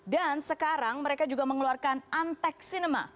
dan sekarang mereka juga mengeluarkan antek cinema